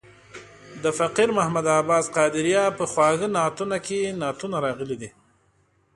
د فقیر محمد عباس قادریه په خواږه نعتونه کې یې نعتونه راغلي دي.